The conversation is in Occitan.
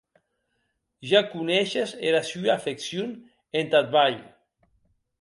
Ja coneishes era sua afeccion entath balh.